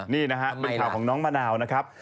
นี่นะฮะเป็นข่าวของน้องมะนาวนะครับ